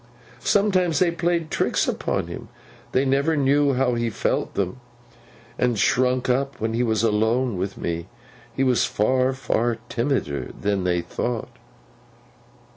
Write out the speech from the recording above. Sometimes they played tricks upon him; but they never knew how he felt them, and shrunk up, when he was alone with me. He was far, far timider than they thought!